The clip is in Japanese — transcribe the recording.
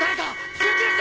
救急車！